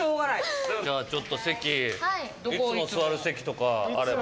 ちょっと席いつも座る席とかあれば。